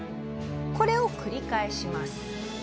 これを繰り返します。